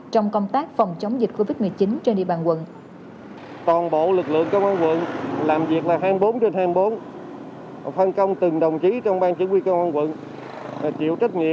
trong công tác phòng chống dịch covid một mươi chín trên địa bàn quận